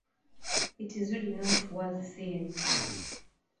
It is really not worth seein.